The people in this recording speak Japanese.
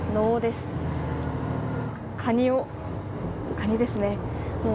カニですね。